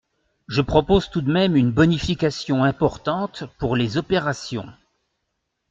Je propose tout de même une bonification importante pour les opérations.